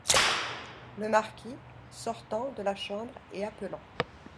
Le Marquis , sortant de la chambre et appelant.